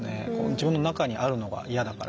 自分の中にあるのが嫌だから。